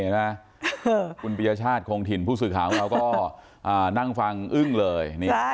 คุณประชาติโครงถิ่นผู้สื่อขาวเราก็นั่งฟังอึ้งเลย